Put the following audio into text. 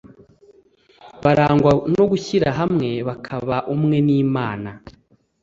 . Barangwa no gushyira hamwe bakaba umwe n’Imana.